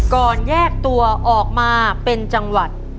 ก่อนแยกตัวออกมาเป็นจังหวัด